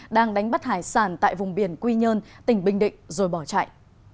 đang đánh bắt hải sản tại vùng biển quy nhơn tỉnh bình định rồi bỏ chạy